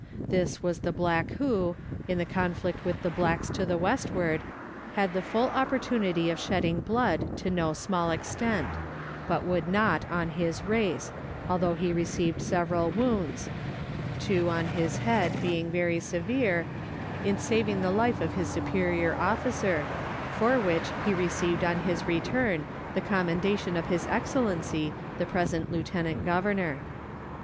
This was the black who, in the conflict with the blacks to the westward, had the full opportunity of shedding blood to no small extent, but would not on his race, although he received several wounds two on his head being very severe in saving the life of his superior officer, for which he received on his return the commendation of His Excellency the present Lieutenant Governor.